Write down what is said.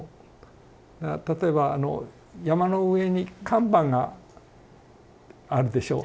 例えばあの山の上に看板があるでしょう